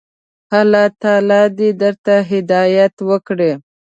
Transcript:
الله تعالی دي درته هدايت وکړي.